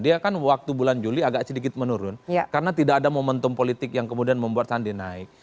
dia kan waktu bulan juli agak sedikit menurun karena tidak ada momentum politik yang kemudian membuat sandi naik